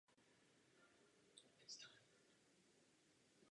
Po absolvování univerzity pracoval v kanceláři nemocnice v Chelsea.